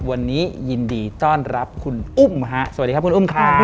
วันนี้ยินดีต้อนรับคุณอุ้มฮะสวัสดีครับคุณอุ้มครับ